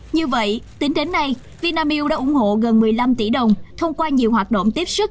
như vậy tính đến nay vinamilk đã ủng hộ gần một mươi năm tỷ đồng thông qua nhiều hoạt động tiếp sức